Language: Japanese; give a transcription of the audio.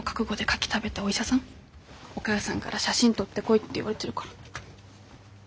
お母さんから写真撮ってこいって言われてるから。